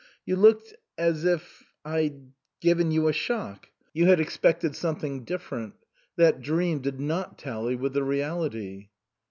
" You looked as if I'd given you a shock. You had expected something different. That dream did not tally with the reality."